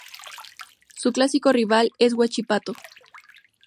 Su clásico rival es Huachipato.